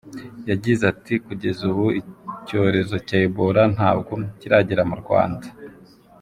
Yagize ati “Kugeza ubu icyorezo cya Ebola ntabwo kiragera mu Rwanda.